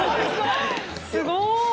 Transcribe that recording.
すごーい！